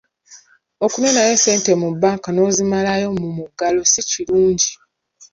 Okunoonayo ssente mu banka n’ozimalayo mu muggalo si kirungi.